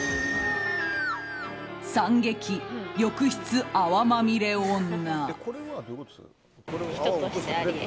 惨劇、浴室泡まみれ女。